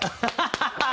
ハハハハ！